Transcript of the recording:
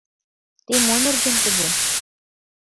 — Те мо нерген тыге?